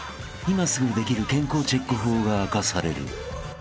今すぐできる健康チェック法が明かされる］